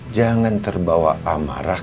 jangan terbawa amarah